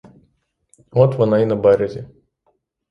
От вона й на березі.